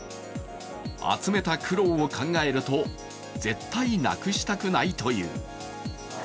集めた苦労を考えると、絶対なくしたくないという。